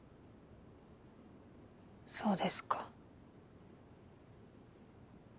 そうですか。